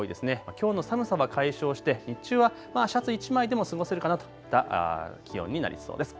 きょうの寒さは解消して日中はシャツ１枚でも過ごせるかなといった気温になりそうです。